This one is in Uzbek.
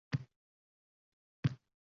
Hovlining shundoq oldida daraxtlar bor